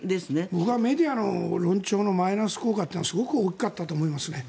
僕はメディアの論調のマイナス効果がすごく大きかったと思います。